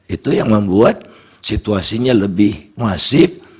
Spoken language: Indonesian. itu yang membuat situasinya lebih masif